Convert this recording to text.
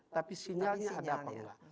tapi sinyalnya ada apa enggak